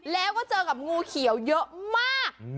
แล้วก็เจอกับงูเขียวเยอะมาก